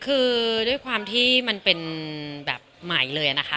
คือด้วยความที่มันเป็นแบบใหม่เลยนะคะ